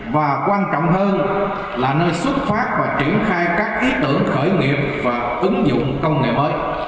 và quan trọng hơn là nơi xuất phát và triển khai các ý tưởng khởi nghiệp và ứng dụng công nghệ mới